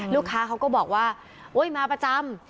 ลูกค้าเขาก็บอกว่าโอ๊ยมาประจำ